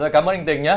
rồi cảm ơn anh tình nhé